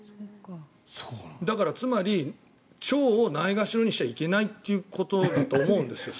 だから、つまり腸をないがしろにしちゃいけないということだと思うんですよ。